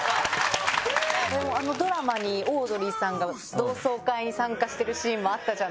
でもあのドラマにオードリーさんが同窓会に参加してるシーンもあったじゃないですか